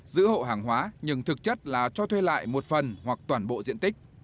giữ hộ hàng hóa nhưng thực chất là cho thuê lại một phần hoặc toàn bộ diện tích